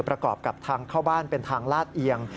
ประกอบกับทางเข้าบ้านเป็นทางลาดเอียง